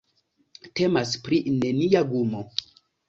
Temas pri nenia gumo.